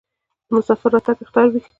د مسافر راتګ اختر وي.